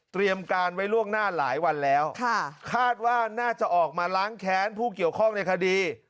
การไว้ล่วงหน้าหลายวันแล้วคาดว่าน่าจะออกมาล้างแค้นผู้เกี่ยวข้องในคดี